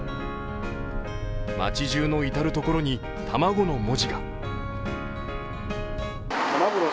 町じゅうの至る所に「たまご」の文字が。